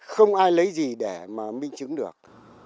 không ai lấy gì để mà minh chứng được